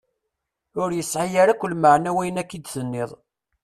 Ur yesɛi ara akklmeɛna wayen akka i d-tenniḍ.